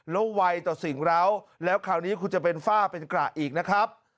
แล้วไวต่อสิ่งร้าวแล้วคราวนี้คุณจะเป็นฝ้าเป็นกระอีกนะครับ